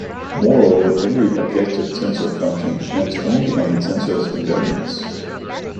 Moreover, every objective tensor function depends only on the tensor's invariants.